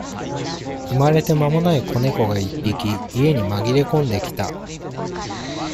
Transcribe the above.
生まれて間もない子猫が一匹、家に紛れ込んできた。